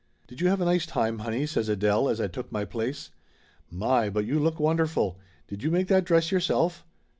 "Did you have a nice time, honey?" says Adele as I took my place. "My, but you look wonderful! Did you make that dress yourself